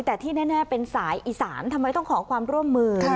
แต่ที่แน่เป็นสายอีสานทำไมต้องขอความร่วมมือ